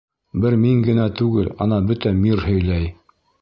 Бер мин генә түгел, ана, бөтә мир һөйләй.